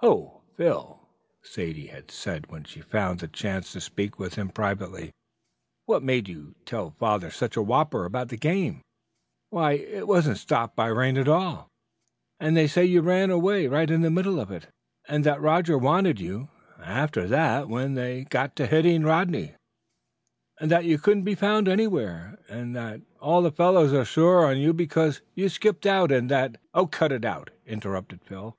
"Oh, Phil," Sadie had said when she found a chance to speak with him privately, "what made you tell father such a whopper about the game? Why, it wasn't stopped by rain at all, and they say you ran away right in the middle of it, and that Roger wanted you after that when they got to hitting Rodney, and that you couldn't be found anywhere, and that all the fellows are sore on you because you skipped out, and that " "Oh, cut it!" interrupted Phil.